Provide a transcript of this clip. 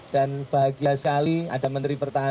dan bahagia sekali ada menteri pertama